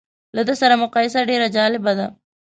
له ده سره مقایسه ډېره جالبه ده.